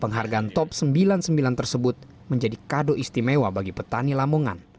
penghargaan top sembilan puluh sembilan tersebut menjadi kado istimewa bagi petani lamongan